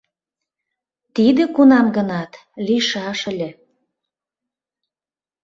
Тиде кунам-гынат лийшаш ыле...